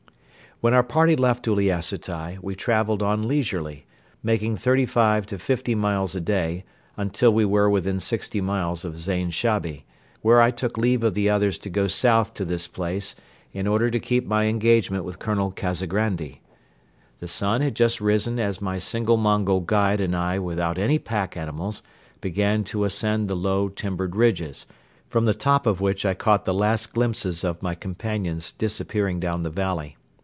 When our party left Uliassutai, we traveled on leisurely, making thirty five to fifty miles a day until we were within sixty miles of Zain Shabi, where I took leave of the others to go south to this place in order to keep my engagement with Colonel Kazagrandi. The sun had just risen as my single Mongol guide and I without any pack animals began to ascend the low, timbered ridges, from the top of which I caught the last glimpses of my companions disappearing down the valley.